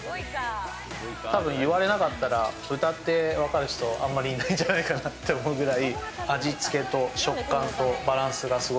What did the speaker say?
多分言われなかったら、豚って分かる人あんまりいないんじゃないかと思うくらい。